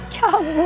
aku akan menunggu